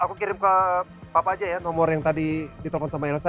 aku kirim ke papa aja ya nomor yang tadi ditelepon sama elsa